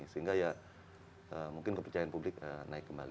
sehingga ya mungkin kepercayaan publik naik kembali